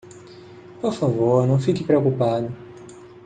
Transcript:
Por favor, não fique preocupado.